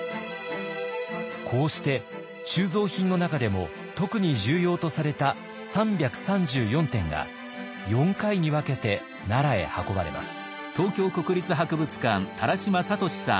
こうして収蔵品の中でも特に重要とされた３３４点が４回に分けて奈良へ運ばれます。